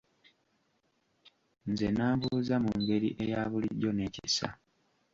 Nze n'ambuuza mu ngeri eya bulijjo n'ekisa.